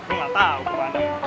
gue gak tau kemana